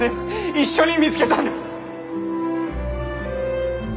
一緒に見つけたんだ！